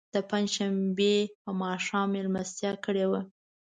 د پنج شنبې په ماښام میلمستیا کړې وه.